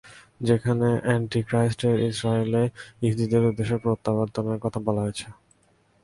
যেখানে অ্যান্টিক্রাইস্টের ইজরায়েলে ইহুদীদের উদ্দেশ্যে প্রত্যাবর্তনের কথা বলা হয়েছে।